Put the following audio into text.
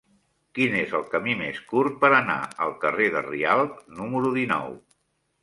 Quin és el camí més curt per anar al carrer de Rialb número dinou?